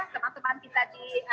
teman teman kita di dma sudah disediakan